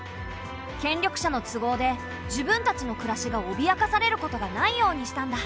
権力者の都合で自分たちの暮らしがおびやかされることがないようにしたんだ。